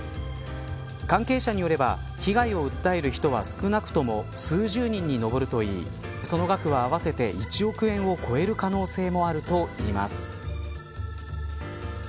関係者によれば、被害を訴える人は少なくとも数十人に上るといいその額は合わせて１億円を超える可能性もあるといいます。